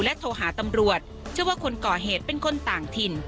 โทรหาตำรวจเชื่อว่าคนก่อเหตุเป็นคนต่างถิ่น